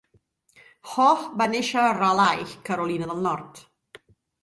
Hoch va néixer a Raleigh, Carolina del Nord.